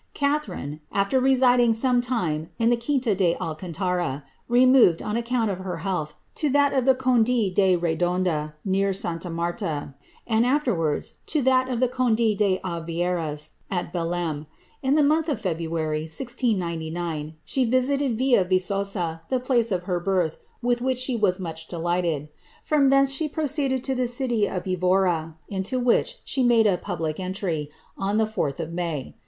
Catharine, after residing some time in the quinta de Alcantaia, i^ moved, on account of her health, to that of the conde de Redoada, mv Santa Martha, and afterwards to that of the conde de Aveiras, at Bdeft In the month of Februar}', 1090, she visited Villa Vi^osa, the place of her birth, with which she was much delighted. From thence she pio* ceeded.to the city of Evora, into which she made a public entiy, on the 4th of May.'